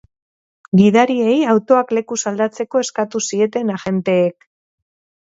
Gidariei autoak lekuz aldatzeko eskatu zieten agenteek.